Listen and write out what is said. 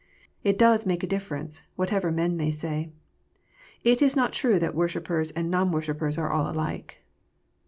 It does make a differ ence, whatever men may say. It is not true that worshippers and non worshippers are all alike.